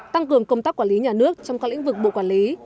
tăng cường công tác quản lý nhà nước trong các lĩnh vực bộ quản lý